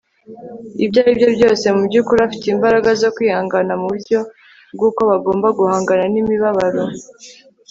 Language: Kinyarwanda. ibyo aribyo byose - mu byukuri afite imbaraga zo kwihangana mu buryo bw'uko bagomba guhangana n'imibabaro